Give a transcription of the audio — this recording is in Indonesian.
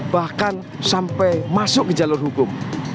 bahkan sampai masuk ke jalur hukum